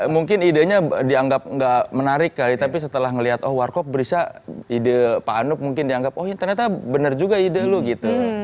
mungkin idenya dianggap gak menarik kali tapi setelah ngeliat oh warkop berisah ide pak anup mungkin dianggap oh ternyata bener juga ide lu gitu